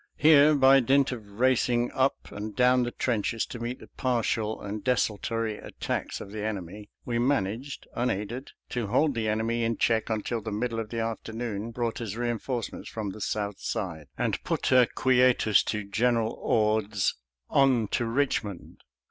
Here, by dint of racing up and down the trenches to meet the partial and desultory attacks of the enemy, we managed, unaided, to hold the enemy in check until the middle of the afternoon brought us reinforcements from the south side, and put a quietus to General Ord's " On to Eichmond